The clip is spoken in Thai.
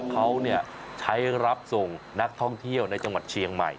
เขาใช้รับส่งนักท่องเที่ยวในจังหวัดเชียงใหม่